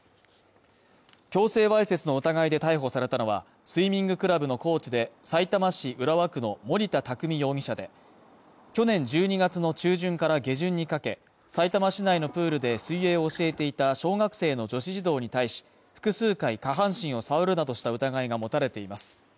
強制わいせつの疑いで逮捕されたのは、スイミングクラブのコーチで、さいたま市浦和区の森田匠容疑者で、去年１２月の中旬から下旬にかけ、さいたま市内のプールで水泳を教えていた小学生の女子児童に対し、複数回下半身を触るなどした疑いが持たれています。